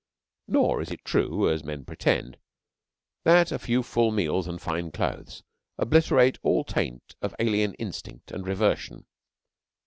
Nor is it true, as men pretend, that a few full meals and fine clothes obliterate all taint of alien instinct and reversion.